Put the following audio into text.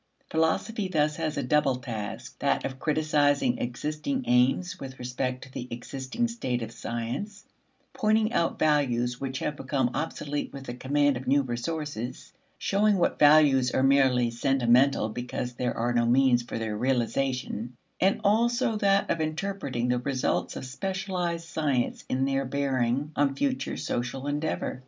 Philosophy thus has a double task: that of criticizing existing aims with respect to the existing state of science, pointing out values which have become obsolete with the command of new resources, showing what values are merely sentimental because there are no means for their realization; and also that of interpreting the results of specialized science in their bearing on future social endeavor.